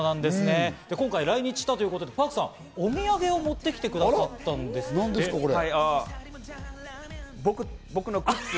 今回、来日したということでＰａｒｋさん、お土産を持ってきてくださったんですって。